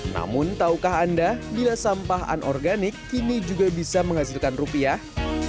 namun tahukah anda bila sampah anorganik kini juga bisa menghasilkan rupiah